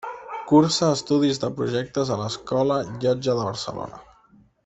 Cursa estudis de projectes a l'Escola Llotja de Barcelona.